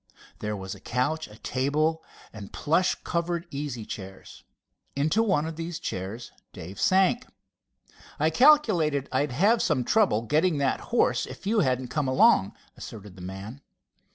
There was a couch, a table and plush covered easy chairs. Into one of the chairs Dave sank. "I calculated I'd have had some trouble in getting that horse if you hadn't come along," asserted the man.